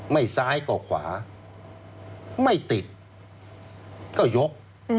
ซ้ายก็ขวาไม่ติดก็ยก